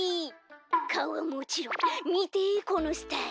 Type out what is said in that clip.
かおはもちろんみてこのスタイル。